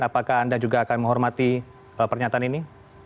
apakah anda juga akan menghormati pernyataan ini